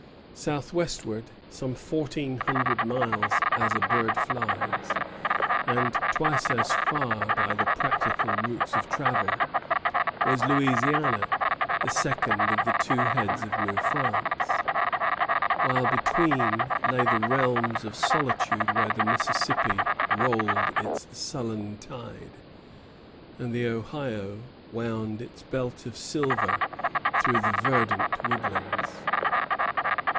Southwestward, some fourteen hundred miles as a bird flies, and twice as far by the practicable routes of travel, was Louisiana, the second of the two heads of New France; while between lay the realms of solitude where the Mississippi rolled its sullen tide, and the Ohio wound its belt of silver through the verdant woodlands.